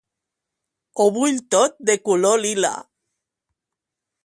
Ho vull tot de color lila